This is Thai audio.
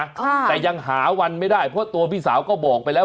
ค่ะแต่ยังหาวันไม่ได้เพราะตัวพี่สาวก็บอกไปแล้ว